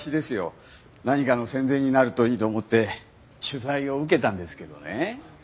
何かの宣伝になるといいと思って取材を受けたんですけどね。